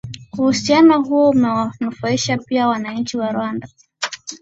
Uhusiano huo umewanufaisha pia wananchi wa Rwanda